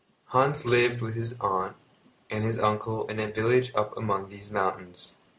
Hans lived with his aunt and his uncle in a village up among these mountains.